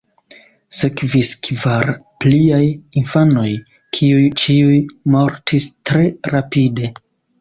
Sekvis kvar pliaj infanoj, kiuj ĉiuj mortis tre rapide.